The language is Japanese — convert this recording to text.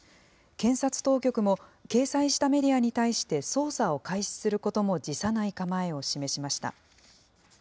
検察当局も、掲載したメディアに対して捜査を開始することも辞さない構えを示しました。